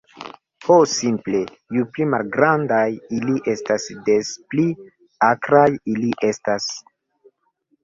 "Ho simple, ju pli malgrandaj ili estas, des pli akraj ili estas."